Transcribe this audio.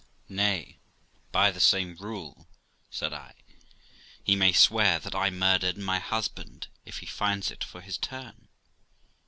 'Nay, by the same rule', said I, 'he may swear that I murdered my husband, if he finds it for his turn.'